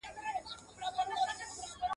زه به بیا راځمه ..